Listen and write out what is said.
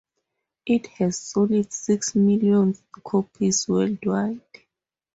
It has sold six million copies worldwide.